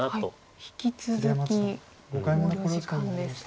引き続き考慮時間です。